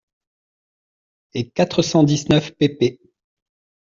et quatre cent dix-neuf pp.